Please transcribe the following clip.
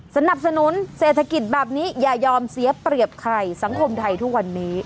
สนับสนุนเศรษฐกิจแบบนี้อย่ายอมเสียเปรียบใครสังคมไทยทุกวันนี้